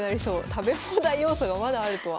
食べ放題要素がまだあるとは。